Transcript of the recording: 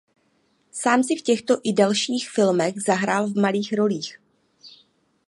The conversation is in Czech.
Sám si v těchto i dalších filmech zahrál v malých rolích.